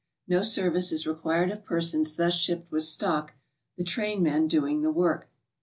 No service is required of persons thus shipped with stock, the trainmen doing the work.